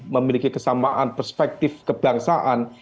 memiliki kesamaan perspektif kebangsaan